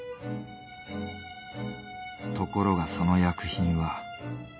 ところがその薬品は。